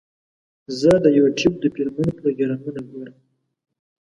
زه د یوټیوب د فلمونو پروګرامونه ګورم.